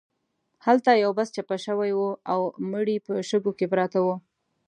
هلته یو بس چپه شوی و او مړي په شګو کې پراته وو.